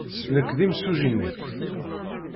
Nekk d imsujji-nnek.